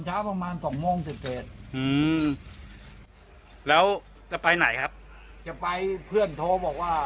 เช้าประมาณสองโมงเต็ดเตรียมอืมจะไปไหนครับจะไปเพื่อนโทรบอกว่า